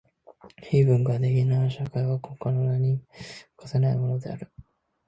非文化的な社会は国家の名に価せないものである。